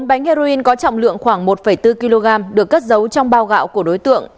một bánh heroin có trọng lượng khoảng một bốn kg được cất giấu trong bao gạo của đối tượng